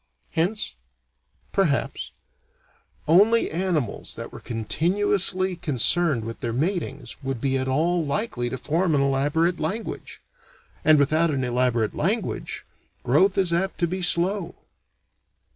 Hence perhaps only animals that were continuously concerned with their matings would be at all likely to form an elaborate language. And without an elaborate language, growth is apt to be slow.